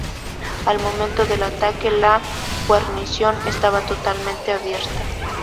Al momento del ataque la guarnición estaba totalmente abierta.